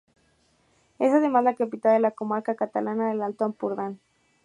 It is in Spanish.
Es además la capital de la comarca catalana del Alto Ampurdán.